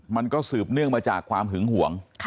มันก็สืบเนื่องมาจากความหึงห่วง